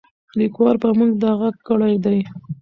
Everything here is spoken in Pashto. لیکوال پر موږ دا غږ کړی دی.